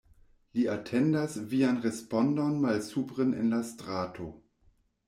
Li atendas vian respondon malsupren en la strato.